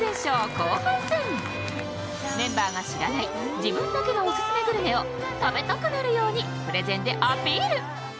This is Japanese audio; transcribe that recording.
今回はメンバーが知らない自分だけのオススメグルメを食べたくなるようにプレゼンでアピール！